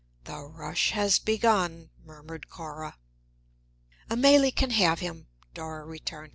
"The rush has begun," murmured Cora. "Amélie can have him," Dora returned.